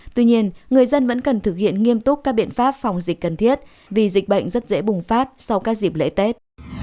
tuy nhiên người dân vẫn cần thực hiện nghiêm túc các biện pháp phòng dịch cần thiết vì dịch bệnh rất dễ bùng phát sau các dịp lễ tết